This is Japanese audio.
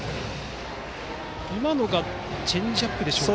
今のがチェンジアップでしょうか。